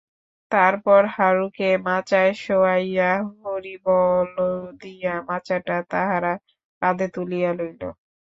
তার পর হারুকে মাচায় শোয়াইয়া হরিবোল দিয়া মাচাটা তাহারা কাঁধে তুলিয়া লইল।